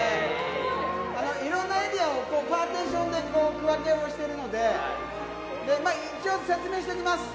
いろんなエリアをパーテーションで区分けをしてるので、一応説明しておきます。